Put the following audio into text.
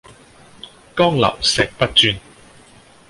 江流石不轉